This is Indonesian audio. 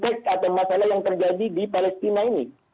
konflik atau masalah yang terjadi di palestina ini